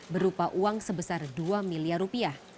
berupa uang sebesar dua miliar rupiah